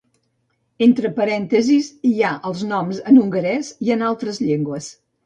Entre parèntesis hi ha els noms en hongarès i en altres llengües.